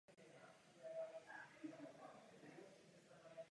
V ose kostela se nachází pravoúhlá přízemní sakristie.